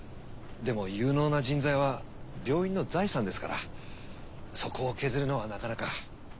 でも有能な人材は病院の財産ですからそこを削るのはなかなか。